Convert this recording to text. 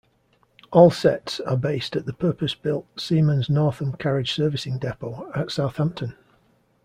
All sets are based at the purpose-built Siemens Northam Carriage Servicing Depot at Southampton.